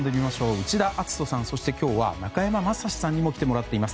内田篤人さん、そして今日は中山雅史さんにも来てもらっています。